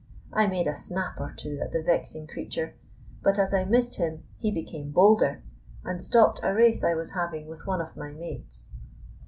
I made a snap or two at the vexing creature, but as I missed him he became bolder, and stopped a race I was having with one of my mates.